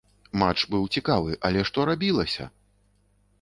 Матч быў цікавы, але што рабілася!